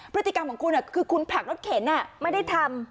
พฤติกรรมของคุณคือคุณผลักรถเข็นไม่ได้ทำ